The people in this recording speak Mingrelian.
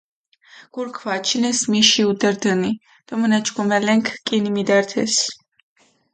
გურქ ვაჩინეს მიში ჸუდე რდჷნი, დო მჷნაჩქუმელენქ კჷნი მიდართეს.